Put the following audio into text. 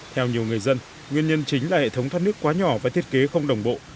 theo nhiều người dân nguyên nhân chính là hệ thống thoát nước quá nhỏ và thiết kế không đồng bộ